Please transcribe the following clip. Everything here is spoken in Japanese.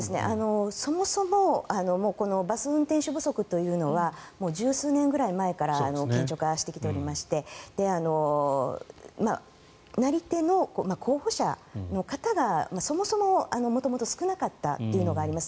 そもそもバス運転手不足というのは１０数年くらい前から顕著化してきていましてなり手の候補者の方がそもそも元々少なかったというのがあります。